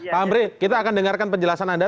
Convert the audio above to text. pak amri kita akan dengarkan penjelasan anda